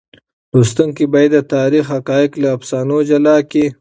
لوستونکي باید د تاریخ حقایق له افسانو جلا کړي.